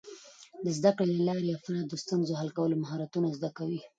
د زده کړې له لارې، افراد د ستونزو حل کولو مهارتونه زده کوي.